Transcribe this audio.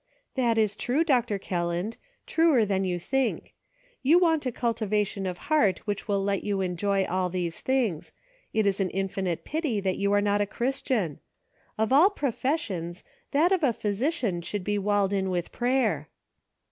"That is true. Dr. Kelland ; truer than you think. You want a cultivation of heart which will let you enjoy all these things ; it is an infinite pity that you are not a Christian. Of all professions, that of a physician should be walled in with prayer."